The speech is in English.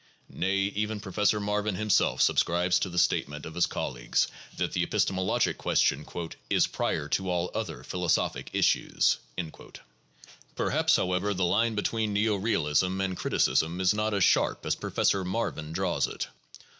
Nay, even Professor Marvin himself subscribes to the statement of his colleagues that the epistemologic question "is prior to all other philosophic issues" (p. 10). Perhaps, however, the line between neo realism and criticism is not as sharp as Professor Marvin draws it.